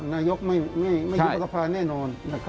นายกไม่ยุบสภาแน่นอน